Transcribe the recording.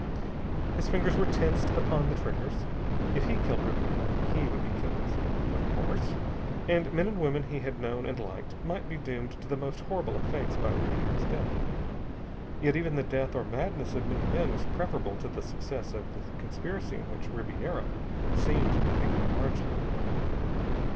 His fingers were tensed upon the triggers. If he killed Ribiera, he would be killed. Of course. And men and women he had known and liked might be doomed to the most horrible of fates by Ribiera's death. Yet even the death or madness of many men was preferable to the success of the conspiracy in which Ribiera seemed to figure largely.